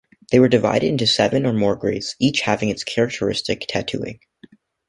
They were divided into seven or more grades, each having its characteristic tattooing.